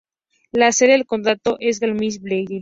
La sede del condado es Gainesville.